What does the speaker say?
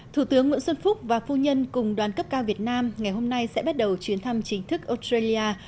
thủ tướng nguyễn xuân phúc và phu nhân cùng đoàn cấp cao việt nam ngày hôm nay sẽ bắt đầu chuyến thăm chính thức australia